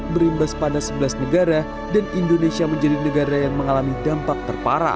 berimbas pada sebelas negara dan indonesia menjadi negara yang mengalami dampak terparah